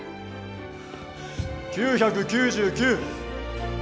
９９９。